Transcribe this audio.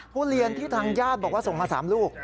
ทุเรียนที่ทางญาติบอกว่าส่งมา๓ลูก